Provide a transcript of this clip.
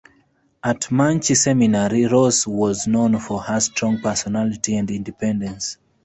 At Muncy Seminary Rose was known for her strong personality and independence.